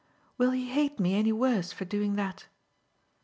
"Will he hate me any worse for doing that?"